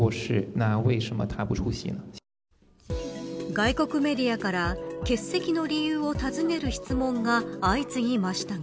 外国メディアから欠席の理由を尋ねる質問が相次ぎましたが。